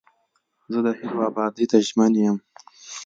زه د هیواد ابادۍ ته ژمن یم.